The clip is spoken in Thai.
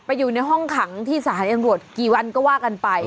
ไปอยู่ในห้องขังที่สหทัศน์อันโรธกี่วันก็ว่ากันไป